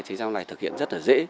thì sao này thực hiện rất là dễ